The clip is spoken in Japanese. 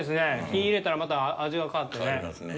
火を入れたら、また味が変わってね。